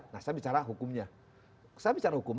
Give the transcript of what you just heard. nah saya bicara hukumnya saya bicara hukum